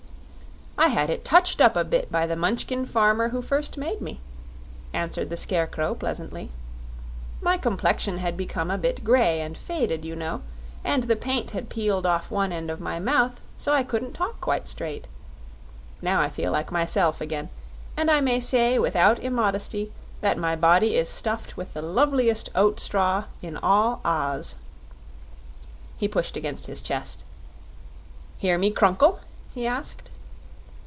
"I had it touched up a bit by the Munchkin farmer who first made me," answered the Scarecrow, pleasantly. "My complexion had become a bit grey and faded, you know, and the paint had peeled off one end of my mouth, so I couldn't talk quite straight. Now I feel like myself again, and I may say without immodesty that my body is stuffed with the loveliest oat straw in all Oz." He pushed against his chest. "Hear me crunkle?" he asked.